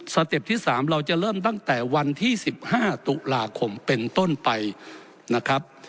เต็ปที่๓เราจะเริ่มตั้งแต่วันที่๑๕ตุลาคมเป็นต้นไปนะครับ